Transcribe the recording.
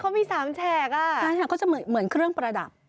เขามี๓แฉกอ่ะใช่ค่ะก็จะเหมือนเครื่องประดับ